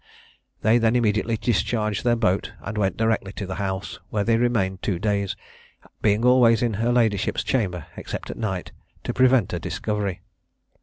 They then immediately discharged their boat, and went directly to the house, where they remained two days, being always in her ladyship's chamber, except at night, to prevent a discovery.